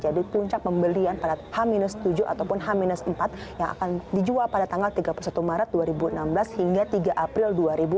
puncak pembelian pada h tujuh ataupun h empat yang akan dijual pada tanggal tiga puluh satu maret dua ribu enam belas hingga tiga april dua ribu delapan belas